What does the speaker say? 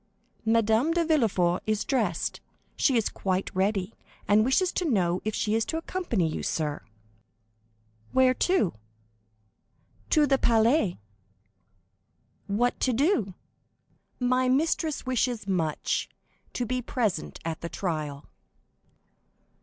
"Madame de Villefort is dressed; she is quite ready, and wishes to know if she is to accompany you, sir?" "Where to?" "To the Palais." "What to do?" "My mistress wishes much to be present at the trial."